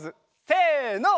せの。